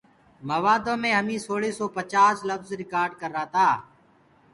موآدو مي همنٚ سوݪي سو پچآس لڦج رڪآرڊ ڪررآ۔